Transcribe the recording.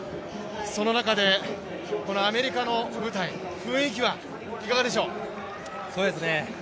その中でアメリカの舞台雰囲気はいかがでしょう。